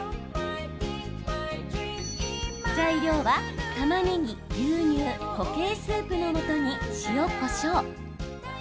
材料は、たまねぎ、牛乳固形スープのもとに塩、こしょう。